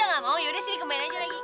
aku nggak mau ya udah sini kemain aja lagi